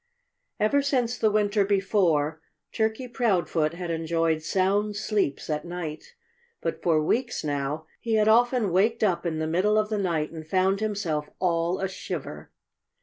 Ever since the winter before, Turkey Proudfoot had enjoyed sound sleeps at night. But for weeks now he had often waked up in the middle of the night and found himself all a shiver.